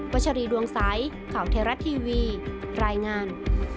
วัชรีดวงซ้ายเข่าเทราะทีวีรายงาน